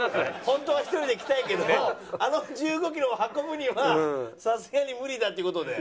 本当は１人で行きたいけどあの１５キロを運ぶにはさすがに無理だっていう事で。